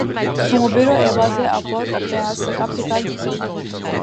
Son bureau est basé à Port-au-Prince, la capitale du pays.